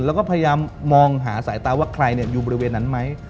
แล้วก็พยายามมองหาสายตาว่าใครอยู่บริเวณนั้นไหม